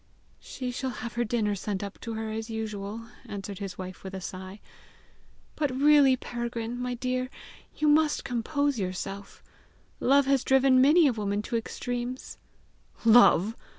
"She shall have her dinner sent up to her as usual," answered his wife with a sigh. "But, really, Peregrine, my dear, you must compose yourself! Love has driven many a woman to extremes!" "Love!